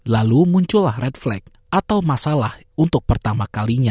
lalu muncullah red flag atau masalah untuk pertama kalinya